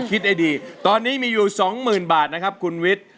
คิดให้ดีตอนนี้มีอยู่สองหมื่นบาทนะครับคุณวิทย์